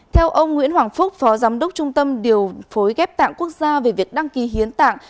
theo ông nguyễn hoàng phúc phó giám đốc trung tâm điều phối ghép tạng quốc gia về việc đăng ký hiến tạng